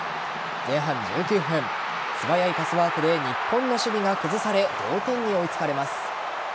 前半１９分素早いパスワークで日本の守備が崩され同点に追い付かれます。